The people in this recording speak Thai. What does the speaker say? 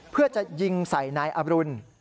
เพื่อจะยิงใส่นายอรุณ